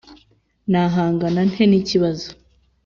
Nahangana nte n ikibazo